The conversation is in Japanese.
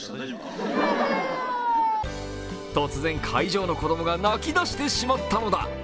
突然、会場の子供が泣きだしてしまったのだ。